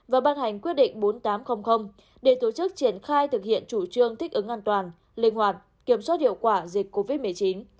và ban hành quyết định bốn nghìn tám trăm linh để tổ chức triển khai thực hiện chủ trương thích ứng an toàn linh hoạt kiểm soát hiệu quả dịch covid một mươi chín